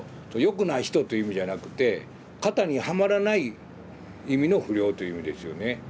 「よくない人」という意味じゃなくて「型にはまらない」意味の不良という意味ですよね。